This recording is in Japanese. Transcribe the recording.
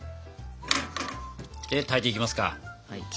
で炊いていきますか。